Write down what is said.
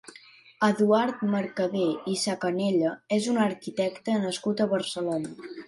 Eduard Mercader i Sacanella és un arquitecte nascut a Barcelona.